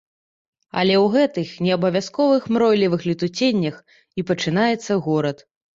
Але ў гэтых неабавязковых мройлівых летуценнях і пачынаецца горад.